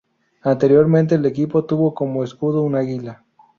Anteriormente, el equipo tuvo como escudo un águila.